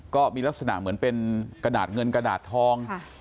ก็มีลักษณะเหมือนเป็นกระดาษเงินกระดาษทอง